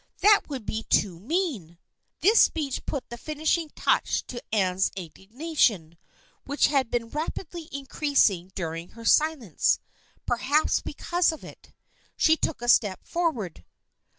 That would be too mean !" This speech put the finishing touch to Anne's indignation, which had been rapidly increasing during her silence, perhaps because of it. She took a step forward.